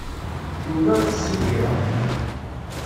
Yiwen ur t-ssidireɣ.